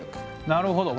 なるほど。